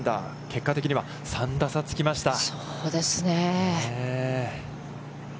結果的には、３打差つきました。